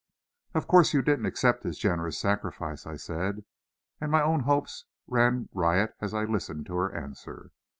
"Of course you didn't accept his generous sacrifice," I said; and my own hopes ran riot as I listened for her answer.